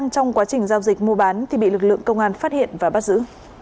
công an phát hiện và bắt giữ